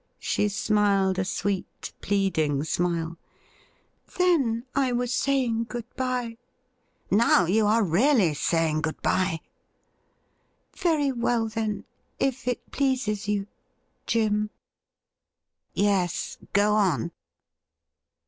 She smiled a sweet, pleading smile. ' Then I was saying good bye.' ' Now you are really saying good bye.' ' Very well, then, if it pleases you — Jim.' ' Yes — ^go on.'